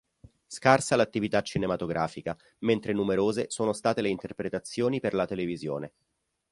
Scarsa l’attività cinematografica mentre numerose sono state le interpretazioni per la televisione.